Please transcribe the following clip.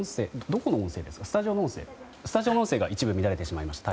スタジオの音声が一部、乱れてしまいました。